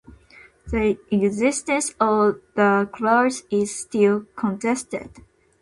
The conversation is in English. The existence of the clouds is still contested.